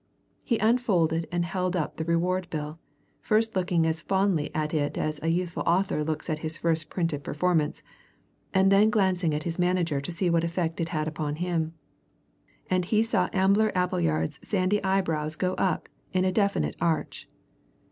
He unfolded and held up the reward bill, first looking as fondly at it as a youthful author looks at his first printed performance, and then glancing at his manager to see what effect it had upon him. And he saw Ambler Appleyard's sandy eyebrows go up in a definite arch.